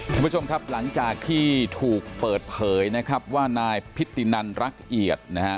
คุณผู้ชมครับหลังจากที่ถูกเปิดเผยนะครับว่านายพิตินันรักเอียดนะฮะ